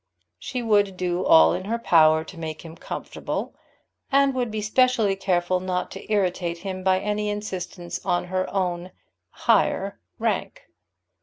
She would do all in her power to make him comfortable, and would be specially careful not to irritate him by any insistence on her own higher rank.